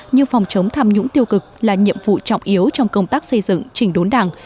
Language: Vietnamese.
như phòng chống tham nhũng tiêu cực là nhiệm vụ trọng yếu trong công tác xây dựng trình đốn đảng